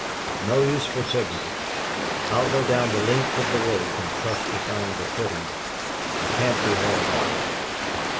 "No use for signals. I'll go down the length of the rope and trust to find a footing. I can't be hauled up."